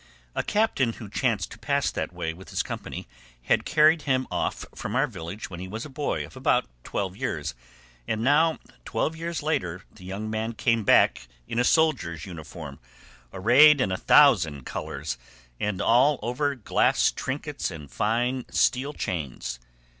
A captain who chanced to pass that way with his company had carried him off from our village when he was a boy of about twelve years, and now twelve years later the young man came back in a soldier's uniform, arrayed in a thousand colours, and all over glass trinkets and fine steel chains.